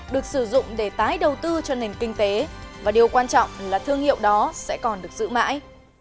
được sử dụng để tái đầu tư cho nền kinh tế và điều quan trọng là thương hiệu đó sẽ còn được giữ mãi